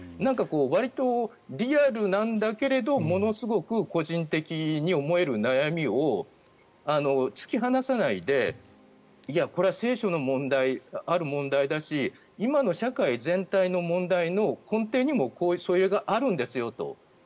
わりとリアルなんだけどものすごく個人的に思える悩みを突き放さないでいや、これは聖書にある問題だし今の社会全体の問題の根底にもそれがあるんですよと。